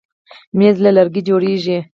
مېز له لرګي جوړېږي.